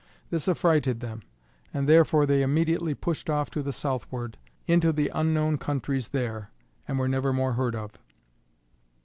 This affrighted them, and therefore they immediately pushed off to the southward, into the unknown countries there, and were never more heard of.